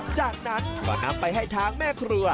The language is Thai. จากนั้นก็นำไปให้ทางแม่ครัว